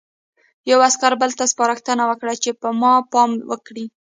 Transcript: یوه عسکر بل ته سپارښتنه وکړه چې په ما پام وکړي